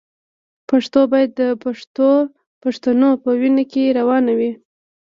پښتو باید د پښتنو په وینه کې روانه وي.